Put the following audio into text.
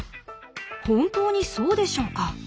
本当にそうでしょうか？